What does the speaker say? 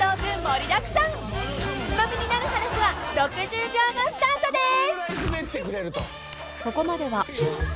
［『ツマミになる話』は６０秒後スタートです！］